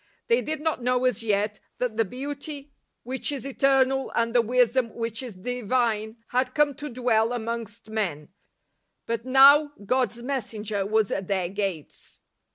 They did not know as yet that the Beauty which is eternal and the Wisdom which is Divine had come to dwell amongst men; but now God's messenger was at their gates.